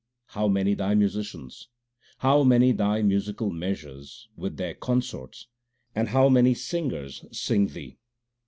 How many Thy musicians, How many Thy musical measures with their consorts, and how many singers sing Thee